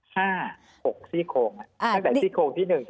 หกซี่โครงตั้งแต่ซี่โครงที่หนึ่ง